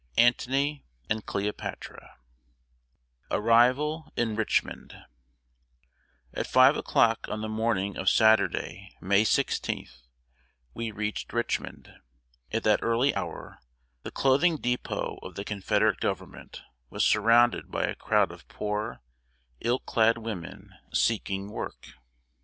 ANTONY AND CLEOPATRA. [Sidenote: ARRIVAL IN RICHMOND.] At 5 o'clock on the morning of Saturday, May 16th, we reached Richmond. At that early hour, the clothing dépôt of the Confederate government was surrounded by a crowd of poor, ill clad women, seeking work.